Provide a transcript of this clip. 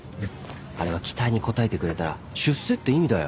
あれは期待に応えてくれたら出世って意味だよ。